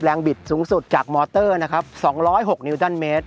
แรงบิดสูงสุดจากมอเตอร์๒๐๖นิวดันเมตร